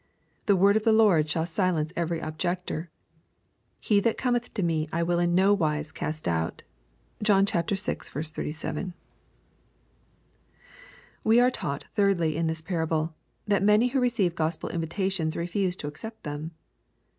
That word of the Lord shall silence every objector, —" Him that cometh to me, I will in no wise cast out," (John vi. 37.) We are taught, thirdly, in this parable, that many who receive Gospel invitations refuse to accept them.